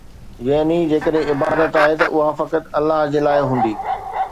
يعني جيڪڏهن عبادت آهي ته اها فقط الله جي لاءِ هوندي